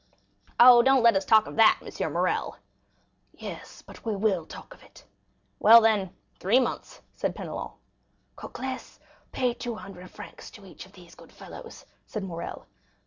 "Oh, don't let us talk of that, M. Morrel." "Yes, but we will talk of it." "Well, then, three months," said Penelon. "Cocles, pay two hundred francs to each of these good fellows," said Morrel.